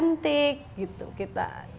gantik gitu kita